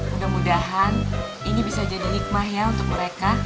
mudah mudahan ini bisa jadi hikmah ya untuk mereka